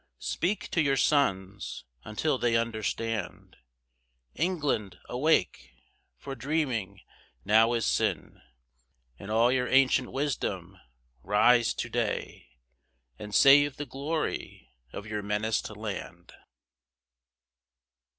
Speak to your sons, until they understand. England, awake! for dreaming now is sin; In all your ancient wisdom, rise to day, And save the glory of your menaced land.